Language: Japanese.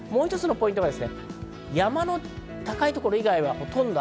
もう一つのポイント。